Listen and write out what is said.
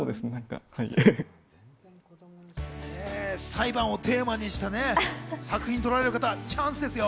裁判をテーマにしたね、作品を撮られる方はチャンスですよ。